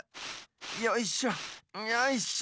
よいしょよいしょ。